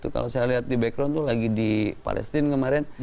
kalau saya lihat di background itu lagi di palestine kemarin